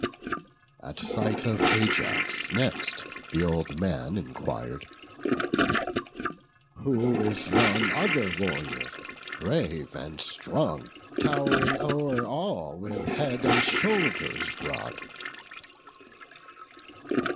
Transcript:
At sight of Ajax next th' old man enquir'd; "Who is yon other warrior, brave and strong, Tow'ring o'er all with head and shoulders broad?"